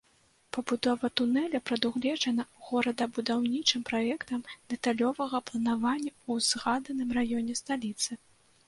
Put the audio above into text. Пабудова тунэля прадугледжана горадабудаўнічым праектам дэталёвага планавання ў згаданым раёне сталіцы.